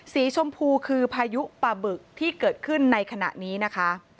สีชมพูคือพายุปะบึกที่เกิดขึ้นในขณะนี้นะคะ